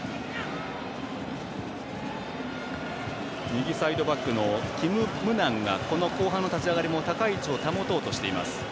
右サイドバックのキム・ムナンが後半の立ち上がり高い位置を保とうとしています。